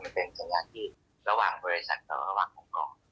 มันเป็นสัญญาณที่อดีตระหว่างบริษัทกับระหว่างห้องก้อน